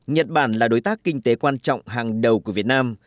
nhật bản là đối tác kinh tế quan trọng hàng đầu của việt nam